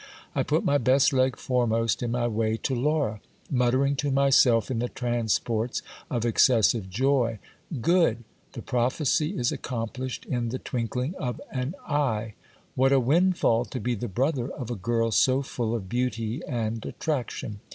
I put my best leg foremost in my way to Laura, muttering to myself in the transports of excessive joy : Good ! the prophecy is accomplished in the twink ling of an eye. What a windfall to be the brother of a girl so full of beauty and attraction